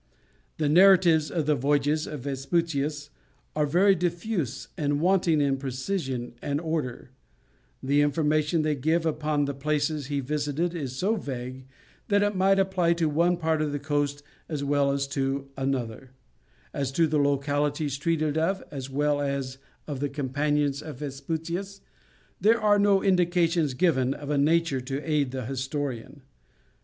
The narratives of the voyages of Vespucius are very diffuse and wanting in precision and order; the information they give upon the places he visited is so vague, that it might apply to one part of the coast as well as to another; as to the localities treated of, as well as of the companions of Vespucius, there are no indications given of a nature to aid the historian.